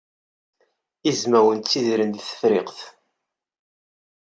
Izmawen ttidiren deg Tefriqt.